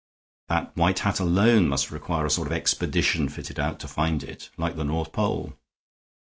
That white hat alone must require a sort of expedition fitted out to find it, like the North Pole.